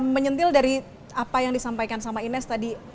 menyentil dari apa yang disampaikan sama ines tadi